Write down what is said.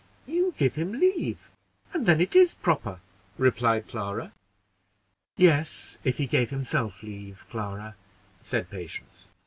"But you give him leave, and then it is proper," replied Clara. "Yes, if he gave himself leave, Clara," said Patience.